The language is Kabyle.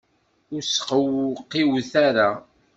Ur sqewqiwet ara!